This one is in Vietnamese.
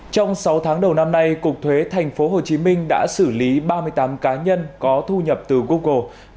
trong sáu tháng đầu năm nay cục thuế tp hcm đã xử lý ba mươi tám cá nhân có thu nhập từ google